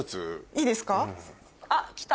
いいですか？